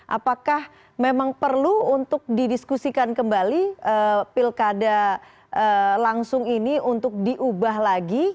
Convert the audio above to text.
apakah memang perlu untuk didiskusikan kembali pilkada langsung ini untuk diubah lagi